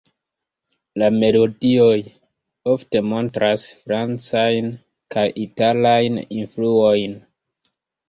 La melodioj ofte montras Francajn kaj Italajn influojn.